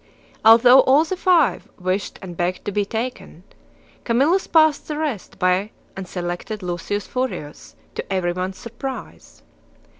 Although all the five wished and begged to be taken, Camillus passed the rest by and selected Lucius Furius, to everyone's surprise.